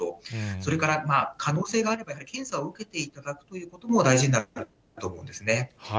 それから可能性がある方、検査を受けていただくということも大事になるかと思うんですね。